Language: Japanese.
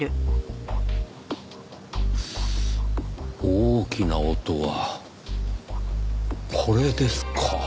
大きな音はこれですか。